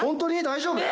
大丈夫？